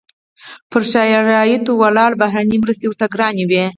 پر شرایطو ولاړې بهرنۍ مرستې ورته ګرانې وې.